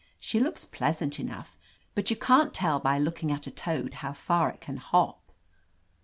She looks pleasant enough, btft you can't teH by looking at a toad how far it can hop."